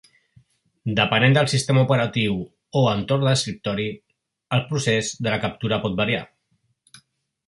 Depenent del sistema operatiu o entorn d'escriptori, el procés de la captura pot variar.